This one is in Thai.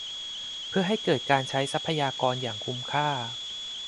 เพื่อให้เกิดการใช้ทรัพยากรอย่างคุ้มค่า